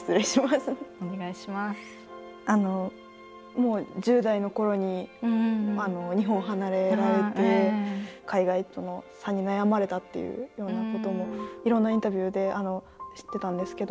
もう１０代のころに日本を離れられて海外との差に悩まれたっていうようなこともいろんなインタビューで知ってたんですけど。